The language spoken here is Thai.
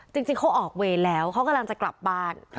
จริงเขาออกเวรแล้วเขากำลังจะกลับบ้าน